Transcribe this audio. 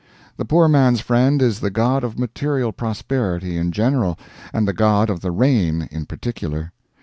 The Poor Man's Friend is the god of material prosperity in general, and the god of the rain in particular.